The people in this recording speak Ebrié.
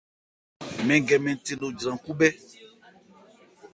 Mɛn gɛ mɛn the no jran khúbhɛ́.